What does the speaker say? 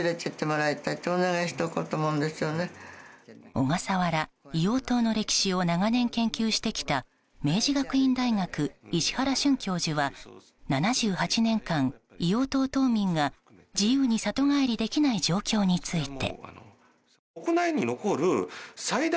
小笠原・硫黄島の歴史を長年研究してきた明治学院大学、石原俊教授は７８年間、硫黄島島民が自由に里帰りできない状況について。